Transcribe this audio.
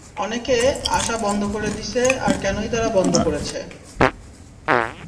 অনেকে আসা বন্ধ করে দিছে আর কেনই তারা বন্ধ করেছে?